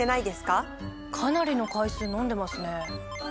かなりの回数飲んでますね。